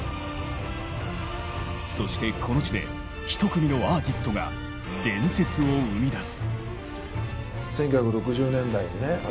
そしてこの地で１組のアーティストが伝説を生みだす。